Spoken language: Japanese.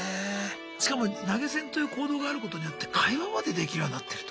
しかも投げ銭という行動があることによって会話までできるようになってると。